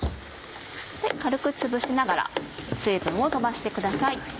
軽くつぶしながら水分を飛ばしてください。